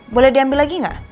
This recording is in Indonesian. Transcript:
boleh diambil lagi gak